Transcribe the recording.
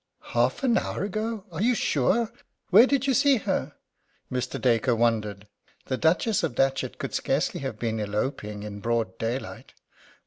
"Half an hour ago! Are you sure? Where did you see her?" Mr. Dacre wondered. The Duchess of Datchet could scarcely have been eloping in broad daylight.